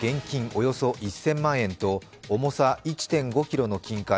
およそ１０００万円と重さ１．５ｋｇの金塊